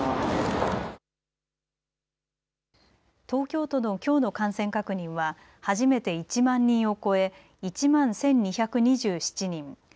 東京都のきょうの感染確認は初めて１万人を超え、１万１２２７人。